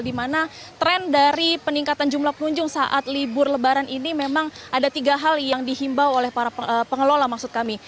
di mana tren dari peningkatan jumlah pengunjung saat libur lebaran ini memang ada tiga hal yang dihimbau oleh para pengelola maksud kami